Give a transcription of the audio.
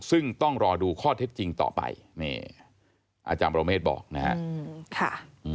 ซึ่งต้องรอดูข้อเท็จจริงต่อไปนี่อาจารย์โรเมฆบอกนะครับ